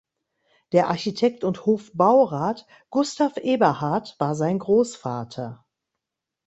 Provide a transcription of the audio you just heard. Der Architekt und Hofbaurat Gustav Eberhard war sein Großvater.